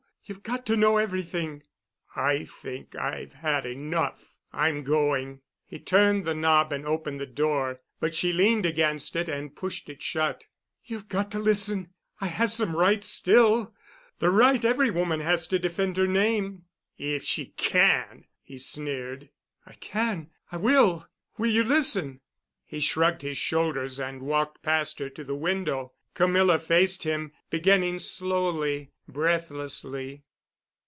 You've got to know everything." "I think I've had enough. I'm going." He turned the knob and opened the door, but she leaned against it and pushed it shut. "You've got to listen. I have some rights still—the right every woman has to defend her name." "If she can," he sneered. "I can—I will. Will you listen?" He shrugged his shoulders and walked past her to the window. Camilla faced him, beginning slowly, breathlessly.